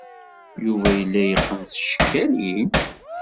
Yuba yella yeqqen s tcekkalin?